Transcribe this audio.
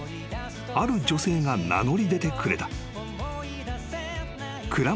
［ある女性が名乗り出てくれた］